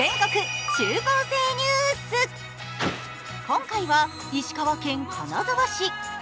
今回は石川県金沢市。